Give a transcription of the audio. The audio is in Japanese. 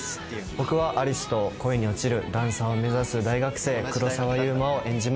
僕は有栖と恋に落ちるダンサーを目指す大学生黒澤祐馬を演じます